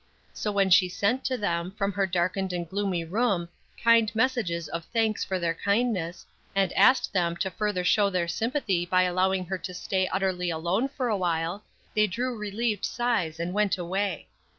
So when she sent to them, from her darkened and gloomy room, kind messages of thanks for their kindness, and asked them to further show their sympathy by allowing her to stay utterly alone for awhile, they drew relieved sighs and went away.